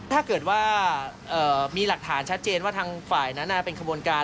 ถ้าเกิดว่ามีหลักฐานชัดเจนว่าทางฝ่ายนั้นเป็นขบวนการ